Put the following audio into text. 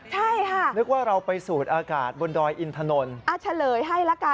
ใช่ค่ะนึกว่าเราไปสูดอากาศบนดอยอินถนนอ่ะเฉลยให้ละกัน